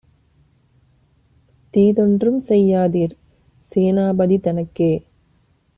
தீதொன்றும் செய்யாதீர் சேனா பதிதனக்கே!